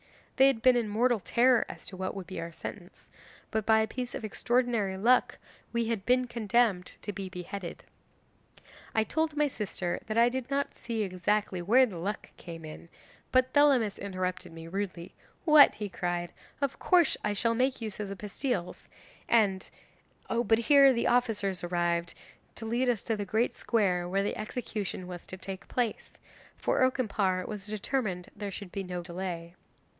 They had been in mortal terror as to what would be our sentence, but by a piece of extraordinary luck we had been condemned to be beheaded. 'I told my sister that I did not see exactly where the luck came in, but Thelamis interrupted me rudely: '"What!" he cried, "of course I shall make use of the pastilles, and " but here the officers arrived to lead us to the great square where the execution was to take place for Okimpare was determined there should be no delay.